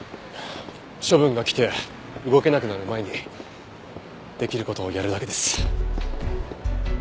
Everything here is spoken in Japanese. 処分がきて動けなくなる前にできる事をやるだけです。